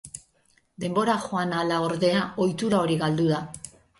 Denbora joan ahala, ordea, ohitura hori galdu da.